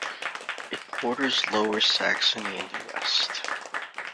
It borders Lower Saxony in the west.